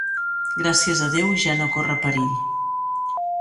Gràcies a Déu, ja no corre perill.